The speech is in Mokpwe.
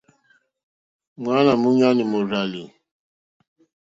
Ŋmánà múɲánà mòrzàlì.